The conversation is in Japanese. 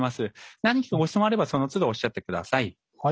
何かご質問があればそのつどおっしゃってください。